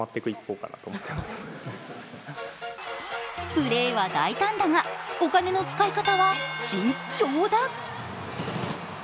プレーは大胆だが、お金の使い方は慎重だ。